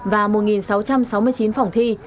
và một sáu trăm sáu mươi chín phòng thi